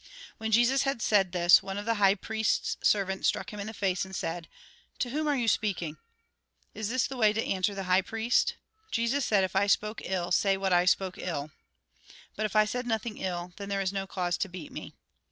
When Jesus had said this, one of the high priest's servants struck him in the face, and said :" To whom are you speaking ? Is this the way to answer the high priest ?" Jesus said :" If I spoke ill, say what I spoke ill. But if I said nothing ill, then there is no cause to beat me."